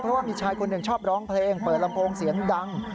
เพราะว่ามีชายคนหนึ่งชอบร้องเพลงเปิดลำโพงเสียงดัง